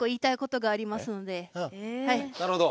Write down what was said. なるほど。